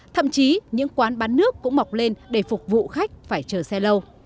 thậm chí những quán bán nước cũng mọc lên để phục vụ khách phải chờ xe lâu